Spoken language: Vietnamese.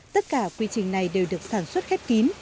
tất cả quy trình này đều được sản xuất khép kín